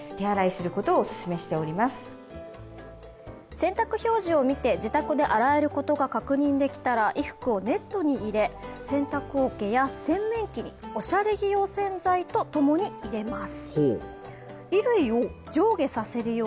洗濯表示を見て自宅で洗えることが確認できたら、衣服をネットに入れ、洗濯おけや洗面器におしゃれ着用洗剤と一緒に入れます。